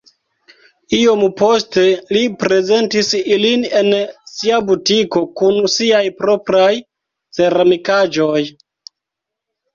Iom poste li prezentis ilin en sia butiko kun siaj propraj ceramikaĵoj.